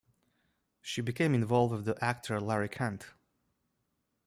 She became involved with the actor Larry Kent.